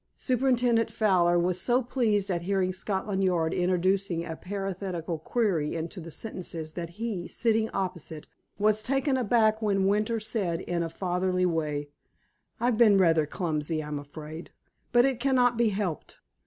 Superintendent Fowler was so pleased at hearing Scotland Yard introducing a parenthetical query into its sentences that he, sitting opposite, was taken aback when Winter said in a fatherly way: "I've been rather clumsy, I'm afraid. But it cannot be helped.